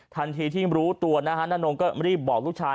ทันทีที่รู้ตัวนะฮะนานงก็รีบบอกลูกชาย